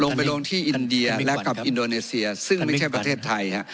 ลงไปลงที่อินเดียและกับอินโดนีเซียซึ่งไม่ใช่ประเทศไทยฮะ